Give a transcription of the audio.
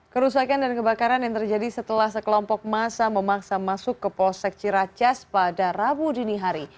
kerusakan dan kebakaran yang terjadi setelah sekelompok masa memaksa masuk ke polsek ciracas pada rabu dini hari